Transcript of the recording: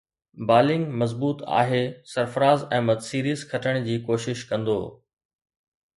bowling مضبوط آهي Sarfaraz Ahmed series کٽڻ جي ڪوشش ڪندو